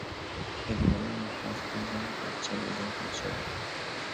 خیلی بلند حرف نزن بچه بیدار میشود.